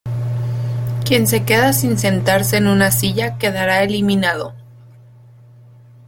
Quien se queda sin sentarse en una silla quedará eliminado.